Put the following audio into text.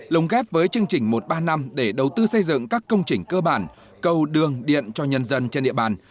lồng ghép với chương trình một ba năm để đầu tư xây dựng các công trình cơ bản cầu đường điện cho nhân dân trên địa bàn